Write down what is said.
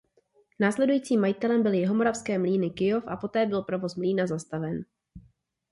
Následujícím majitelem byly Jihomoravské mlýny Kyjov a poté byl provoz mlýna zastaven.